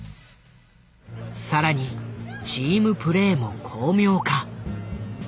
更にチームプレイも巧妙化。